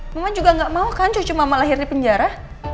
mama juga gak mau kan cuma lahir di penjara